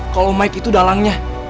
kalau mike itu dalangnya